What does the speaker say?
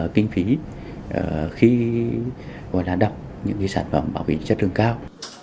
kinh phí khi đọc những sản phẩm bảo vệ chất lượng cao